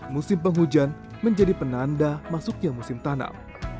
musim penghujan menjadi penanda masuknya musim tanam